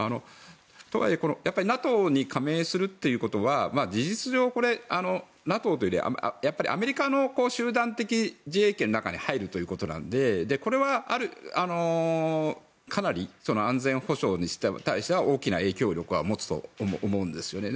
とはいえＮＡＴＯに加盟するってことは事実上、ＮＡＴＯというよりアメリカの集団的自衛権の中に入るということなのでこれはかなり安全保障に対しては大きな影響力は持つと思うんですね。